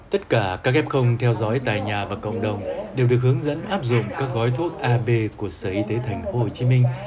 tất cả các f theo dõi tại nhà và cộng đồng đều được hướng dẫn áp dụng các gói thuốc ab của sở y tế thành phố hồ chí minh